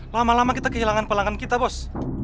lama lama kita kehilangan pelanggan kita bos